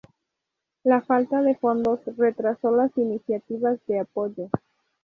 La falta de fondos retrasó las iniciativas de apoyo.